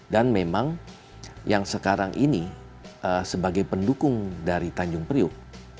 dan memang yang sekarang ini sebagai pendukung dari tanjung priuk